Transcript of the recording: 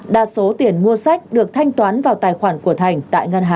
đa số tiền mua sách được thanh tính